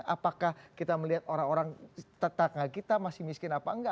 apakah kita melihat orang orang tetangga kita masih miskin apa enggak